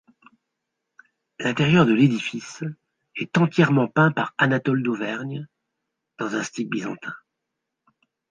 L'intérieur de l'édifice est entièrement peint par Anatole Dauvergne dans un style byzantin.